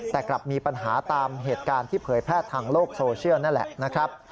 แต่กลับมีปัญหาตามเหตุการณ์ที่เผยแพร่ทางโลกโซเชียลนั่นแหละนะครับ